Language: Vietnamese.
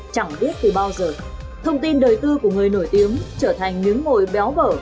chẳng biết từ bao giờ thông tin đời tư của người nổi tiếng trở thành miếng mồi béo bở